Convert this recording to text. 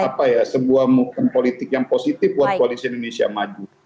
apa ya sebuah movement politik yang positif buat koalisi indonesia maju